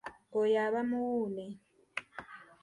Oyo aba muwuune.